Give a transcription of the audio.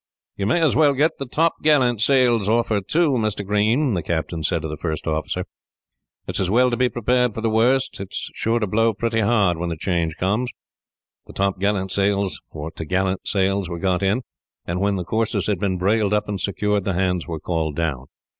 "You may as well get the top gallant sails off her, too, Mr. Green," the captain said to the first officer. "It is as well to be prepared for the worst. It is sure to blow pretty hard, when the change comes." The top gallant sails were got in, and when the courses had been brailed up and secured, the hands were called down.